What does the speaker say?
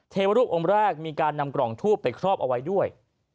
เทวรูปองค์แรกมีการนำกล่องทูบไปครอบเอาไว้ด้วย